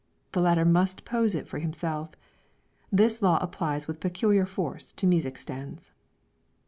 The latter must pose it for himself. This law applies with peculiar force to music stands.